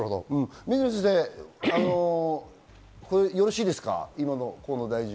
水野先生、それでよろしいですか？